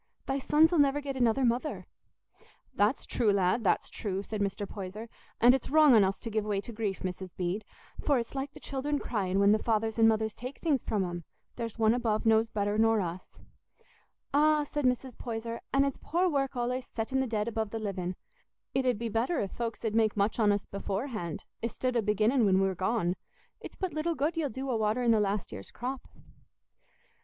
Thy sons 'ull never get another mother." "That's true, lad, that's true," said Mr. Poyser; "and it's wrong on us to give way to grief, Mrs. Bede; for it's like the children cryin' when the fathers and mothers take things from 'em. There's One above knows better nor us." "Ah," said Mrs. Poyser, "an' it's poor work allays settin' the dead above the livin'. We shall all on us be dead some time, I reckon—it 'ud be better if folks 'ud make much on us beforehand, i'stid o' beginnin' when we're gone. It's but little good you'll do a watering the last year's crop."